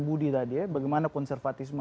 budi tadi ya bagaimana konservatisme